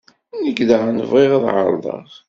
Nekk daɣen bɣiɣ ad ɛerḍeɣ.